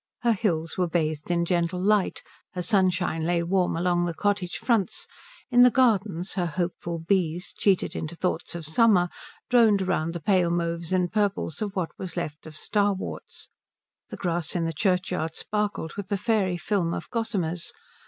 Her hills were bathed in gentle light. Her sunshine lay warm along the cottage fronts. In the gardens her hopeful bees, cheated into thoughts of summer, droned round the pale mauves and purples of what was left of starworts. The grass in the churchyard sparkled with the fairy film of gossamers.